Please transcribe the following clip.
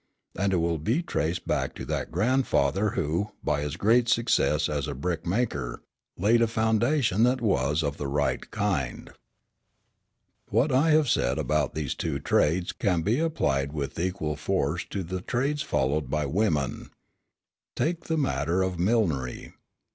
And it will be traced back to that grandfather who, by his great success as a brick maker, laid a foundation that was of the right kind. "What I have said about these two trades can be applied with equal force to the trades followed by women. Take the matter of millinery.